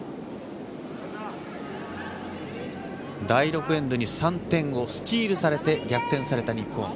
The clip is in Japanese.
第６エンドに３点をスチールされて逆転された日本。